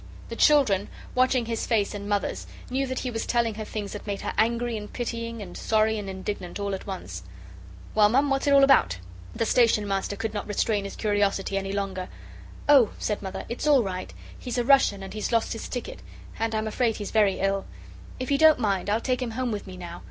The children, watching his face and Mother's, knew that he was telling her things that made her angry and pitying, and sorry and indignant all at once. "Well, Mum, what's it all about?" The Station Master could not restrain his curiosity any longer. "Oh," said Mother, "it's all right. He's a Russian, and he's lost his ticket. And I'm afraid he's very ill. If you don't mind, I'll take him home with me now.